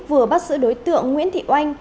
vừa bắt giữ đối tượng nguyễn thị oanh